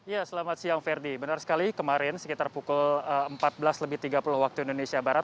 ya selamat siang ferdi benar sekali kemarin sekitar pukul empat belas lebih tiga puluh waktu indonesia barat